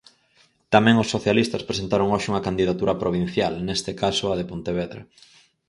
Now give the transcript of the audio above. Tamén os socialistas presentaron hoxe unha candidatura provincial, neste caso a de Pontevedra.